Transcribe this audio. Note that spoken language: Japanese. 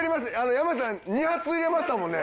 山内さん２発入れましたもんね。